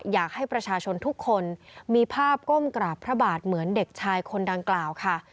อยากให้ประชาชนทุกคนมีภาพก้มกราบพระบาทเหมือนเด็กชายคนดังกล่าวค่ะ